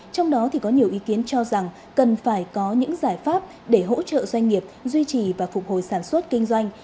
trong đó có nhiều ý kiến cho rằng cần phải có những giải pháp để hỗ trợ doanh nghiệp duy trì và phục hồi sản xuất kinh doanh